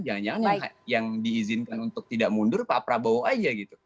jangan jangan yang diizinkan untuk tidak mundur pak prabowo aja gitu